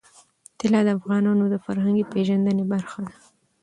طلا د افغانانو د فرهنګي پیژندنې برخه ده.